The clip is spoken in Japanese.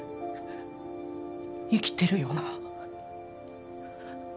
生きてるよな？